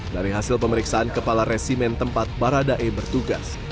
dari hasil pemeriksaan kepala resimen tempat barada re bertugas